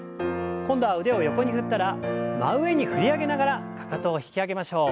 今度は腕を横に振ったら真上に振り上げながらかかとを引き上げましょう。